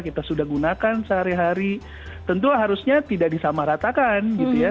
kita sudah gunakan sehari hari tentu harusnya tidak disamaratakan gitu ya